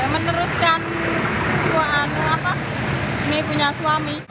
meneruskan ini punya suami